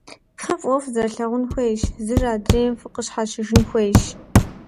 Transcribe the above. Фэ фӀыуэ фызэрылъагъун хуейщ, зыр адрейм фыкъыщхьэщыжын хуейщ.